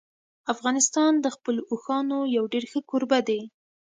افغانستان د خپلو اوښانو یو ډېر ښه کوربه دی.